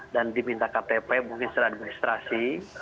dan diminta ktp mungkin secara administrasi